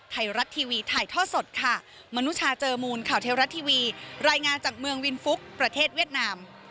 ไทยรัฐทีวีถ่ายท่อสดค่ะมนุชาเจอมูลข่าวเทวรัฐทีวีรายงานจากเมืองวินฟุกประเทศเวียดนาม